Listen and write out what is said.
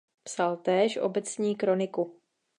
Psal též obecní kroniku.